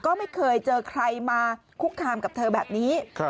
ก็ไม่เคยเจอใครมาคุกคามกับเธอแบบนี้